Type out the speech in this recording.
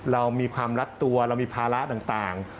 เรามีความรัดตัวเรามีภาระต่าง